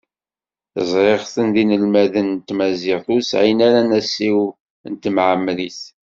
Ẓriɣ-ten d inelmaden n tmaziɣt, ur sɛin ara anasiw n temɛemmrit.